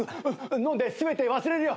飲んで全て忘れるよ。